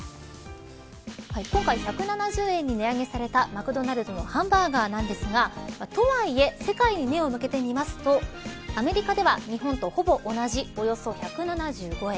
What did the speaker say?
今回、１７０円に値上げされたマクドナルドのハンバーガーなんですがとはいえ世界に目を向けてみますとアメリカでは日本とほぼ同じおよそ１７５円。